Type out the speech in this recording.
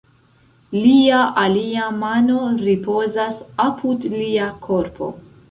Lia alia mano ripozas apud lia korpo.